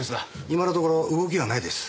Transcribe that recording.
今のところ動きはないです。